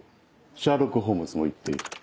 シャーロック・ホームズも言っている。